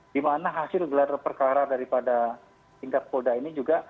dimana hasil gelar perkara daripada tingkat polda ini juga